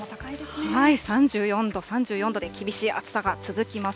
３４度、３４度で厳しい暑さが続きます。